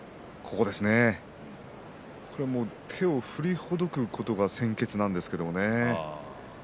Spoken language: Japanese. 手を振りほどくことが先決なんですけれどもね。